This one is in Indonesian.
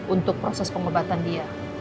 untuk proses pengobatan dia